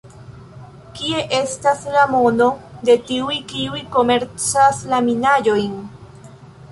Kie estas la mono de tiuj kiuj komercas la minaĵojn?